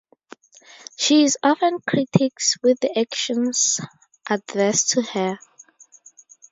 She is often critics with the actions adverse to her.